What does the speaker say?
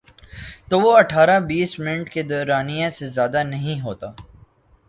تو وہ اٹھارہ بیس منٹ کے دورانیے سے زیادہ نہیں ہوتا۔